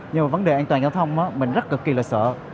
ngoài ra vấn đề an toàn giao thông mình rất sợ